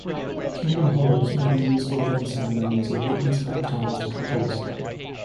Kingdom Halls may be used for wedding ceremonies of Witness-baptized couples.